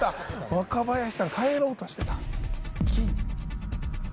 若林さん帰ろうとしてた。